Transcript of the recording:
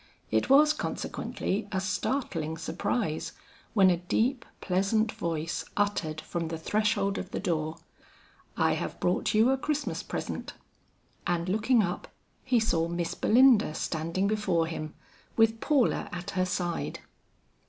It was consequently a startling surprise, when a deep, pleasant voice uttered from the threshold of the door, "I have brought you a Christmas present;" and looking up, he saw Miss Belinda standing before him, with Paula at her side.